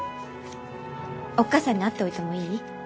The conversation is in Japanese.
おっ母さんに会っておいてもいい？